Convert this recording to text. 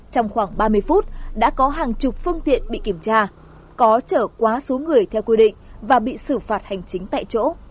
trong khoảng ba mươi phút đã có hàng chục phương tiện bị kiểm tra có trở quá số người theo quy định và bị xử phạt hành chính tại chỗ